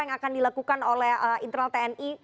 yang akan dilakukan oleh internal tni